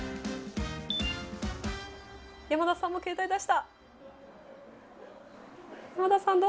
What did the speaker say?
ヤマダさんも携帯出した。